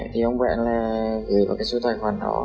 thì ông vẹn là gửi vào cái số tài khoản đó